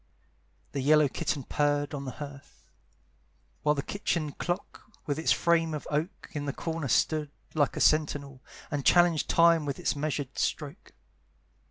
The yellow kitten purred on the hearth, While the kitchen clock, with its frame of oak, In the corner stood, like a sentinel, And challenged time with its measured stroke.